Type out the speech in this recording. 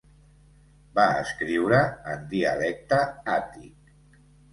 Va escriure en dialecte àtic.